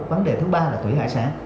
vấn đề thứ ba là thủy hải sản